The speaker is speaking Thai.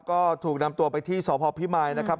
ก็ถูกนำตัวไปที่สพพิมายนะครับ